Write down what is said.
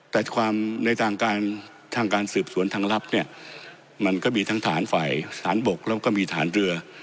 แต่ความในทางการทางการสืบสวนทางลับเนี่ยมันก็มีทั้งฐานฝ่ายสารบกแล้วก็มีฐานเรือ